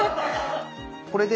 これで。